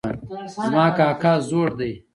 زما کاکا زوړ ده